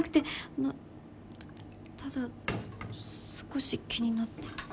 あのただ少し気になって。